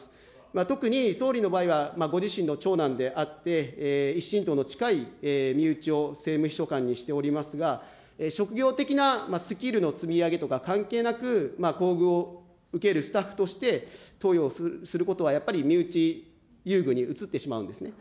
特に総理の場合は、ご自身の長男であって、一親等の近い身内を政務秘書官にしておりますが、職業的なスキルの積み上げとか関係なく、厚遇を受けるスタッフとして登用をすることは、やっぱり身内優遇に映ってしまうんですね。